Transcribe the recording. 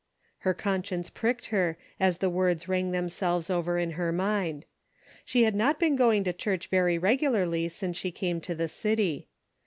'' Her conscience pricked her, as the words rang themselves over in her mind. She had not been going to church very regularly since she came to the city.